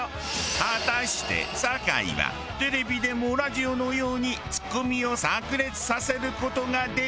果たして酒井はテレビでもラジオのようにツッコミを炸裂させる事ができるか！？